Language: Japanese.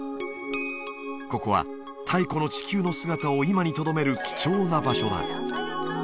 ここは太古の地球の姿を今にとどめる貴重な場所だ